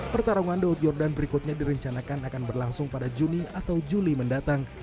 pertarungan daud yordan berikutnya direncanakan akan berlangsung pada juni atau juli mendatang